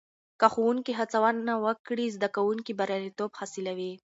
که ښوونکې هڅونه وکړي، زده کوونکي برياليتوب حاصلوي.